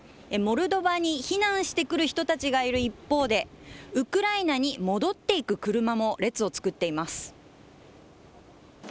モルドバに避難してくる人たちがいる一方でウクライナに戻っていく車も列を作っています。